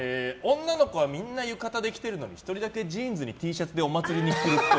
女の子はみんな浴衣で来てるのに１人だけジーンズにＴシャツでお祭りに来るっぽい。